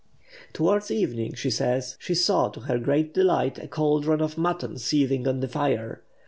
Towards evening, she says, she saw, to her great delight, a caldron of mutton seething on the fire.